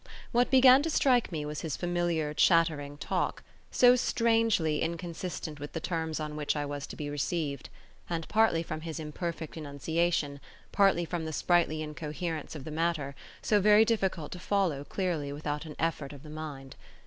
What began to strike me was his familiar, chattering talk; so strangely inconsistent with the terms on which I was to be received; and partly from his imperfect enunciation, partly from the sprightly incoherence of the matter, so very difficult to follow clearly without an effort of the mind.